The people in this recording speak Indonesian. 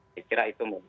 saya kira itu mbak eva